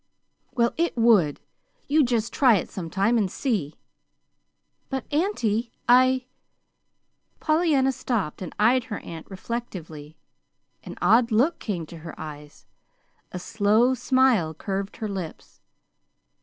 "Well, it would. You just try it sometime, and see." "But, auntie, I " Pollyanna stopped and eyed her aunt reflectively. An odd look came to her eyes; a slow smile curved her lips.